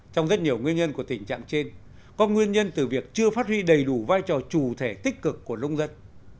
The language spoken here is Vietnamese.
trong rất nhiều nguyên nhân của tình trạng trên có nguyên nhân từ việc chưa phát huy đầy đủ vai trò chủ thể tích cực của lông dân